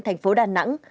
thành phố đà nẵng